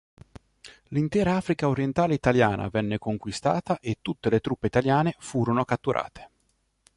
L'intera Africa Orientale Italiana venne conquistata e tutte le truppe italiane furono catturate.